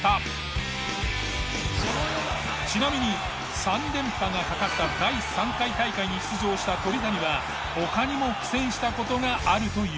ちなみに３連覇がかかった第３回大会に出場した鳥谷は他にも苦戦した事があるという。